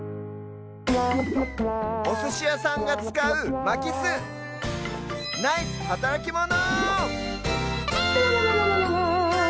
おすしやさんがつかうまきすナイスはたらきモノ！